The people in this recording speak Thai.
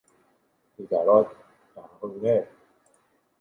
ที่จอดรถ ปัญหาของคนกรุงเทพ